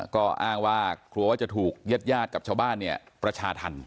ก็อ้างว่ากลัวว่าจะถูกญาติญาติกับชาวบ้านเนี่ยประชาธรรม